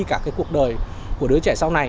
cả cuộc đời của đứa trẻ sau này